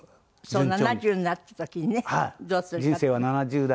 そう７０になった時にねどうするか？